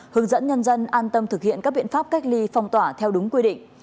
hướng dẫn nhân dân an tâm thực hiện các biện pháp cách ly phong tỏa theo đúng quy định